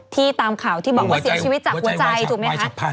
ตามข่าวที่บอกว่าเสียชีวิตจากหัวใจถูกไหมคะ